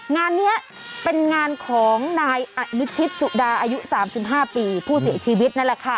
งานนี้เป็นงานของนายอนุชิตสุดาอายุ๓๕ปีผู้เสียชีวิตนั่นแหละค่ะ